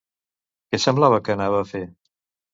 Què semblava que anava a fer?